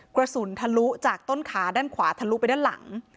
กระสุนทะลุจากต้นขาด้านขวาทะลุไปด้านหลัง